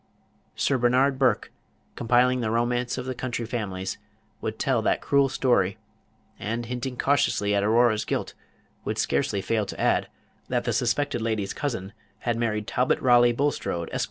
Sir Bernard Burke, compiling the romance of the county families, would tell that cruel story, and, hinting cautiously at Aurora's guilt, would scarcely fail to add, that the suspected lady's cousin had married Talbot Raleigh Bulstrode, Esq.